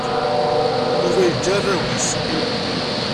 Yuba yeǧǧa arraw-is.